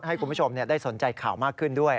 ให้คุณผู้ชมได้สนใจข่าวมากขึ้นด้วย